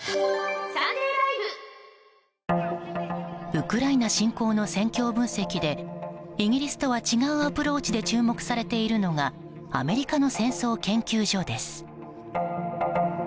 ウクライナ侵攻の戦況分析でイギリスとは違うアプローチで注目されているのがアメリカの戦争研究所です。